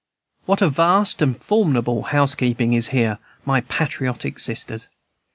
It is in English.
What a vast and formidable housekeeping is here, my patriotic sisters!